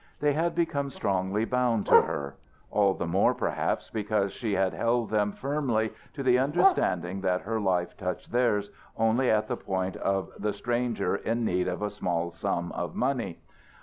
They had become strongly bound to her. All the more perhaps because she held them firmly to the understanding that her life touched theirs only at the point of the stranger in need of a small sum of money.